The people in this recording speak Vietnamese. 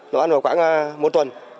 nó ăn vào khoảng một tuần